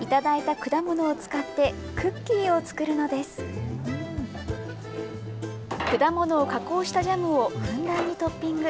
果物を加工したジャムをふんだんにトッピング。